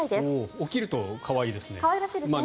起きると可愛いですね。